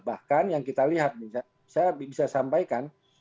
bahkan yang kita lihat saya bisa sampaikan